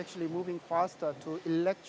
kami bergerak lebih cepat